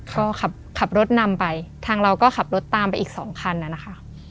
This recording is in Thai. ก็ขับรถนำไปทางเราก็ขับรถตามไปอีกสองคันน่ะนะคะ